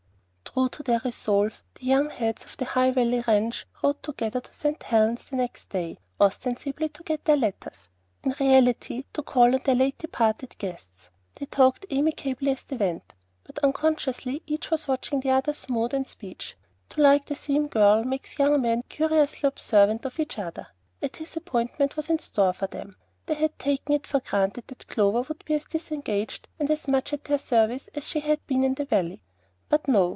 True to their resolve, the young heads of the High Valley Ranch rode together to St. Helen's next day, ostensibly to get their letters; in reality to call on their late departed guests. They talked amicably as they went; but unconsciously each was watching the other's mood and speech. To like the same girl makes young men curiously observant of each other. A disappointment was in store for them. They had taken it for granted that Clover would be as disengaged and as much at their service as she had been in the valley; and lo!